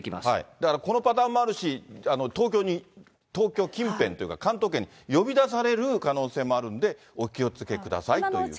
だから、このパターンもあるし、東京に、東京近辺というか関東圏に呼び出される可能性もあるので、お気をつけくださいということですね。